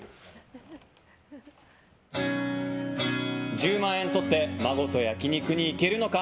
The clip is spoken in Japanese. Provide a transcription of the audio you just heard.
１０万円とって孫と焼き肉に行けるのか。